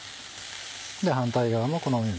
では反対側もこのように。